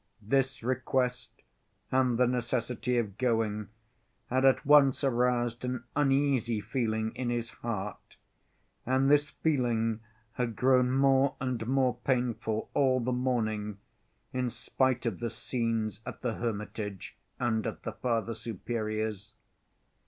This request and the necessity of going had at once aroused an uneasy feeling in his heart, and this feeling had grown more and more painful all the morning in spite of the scenes at the hermitage and at the Father Superior's.